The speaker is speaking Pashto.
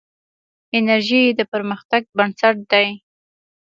انرژي د پرمختګ بنسټ دی.